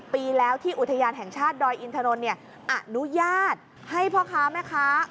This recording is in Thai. ปีแล้วที่อุทยานแห่งชาติดอยอินทนนท์อนุญาตให้พ่อค้าแม่ค้า